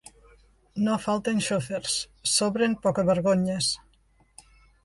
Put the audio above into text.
“No falten xòfers, sobren pocavergonyes”.